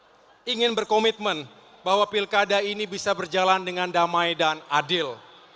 adalah bahwa mereka semua ingin berkomitmen bahwa pilkada ini bisa berjalan dengan damai dan adil